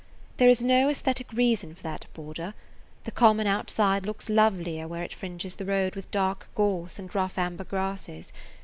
There is no esthetic reason for that border; the common outside looks lovelier where it fringes the road with dark gorse and rough amber grasses.